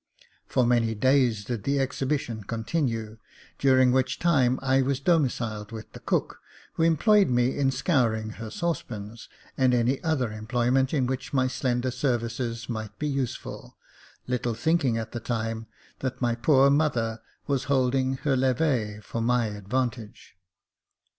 For many days did the exhibition continue, during which time I was domiciled with the cook, who employed me in scouring her saucepans, and any other employment in which my slender services might be useful, little thinking at the time that my poor mother was holding her levee for my advantage.